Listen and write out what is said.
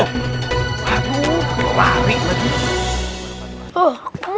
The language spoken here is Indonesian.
aku mau lari lagi